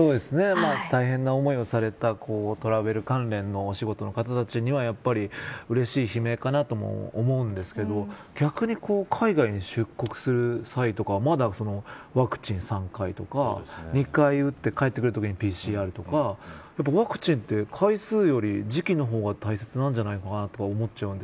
大変な思いをされたトラベル関連のお仕事の方たちにはうれしい悲鳴かなとも思うんですけど逆に海外に出国する際とかまだワクチン３回とか２回打って帰ってくるときにＰＣＲとかワクチンって、回数より時期の方が大切なんじゃないかなというふうには思っちゃいます。